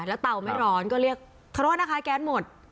แล้วเตาไม่ร้อนก็เรียกโทษนะคะแก๊สหมด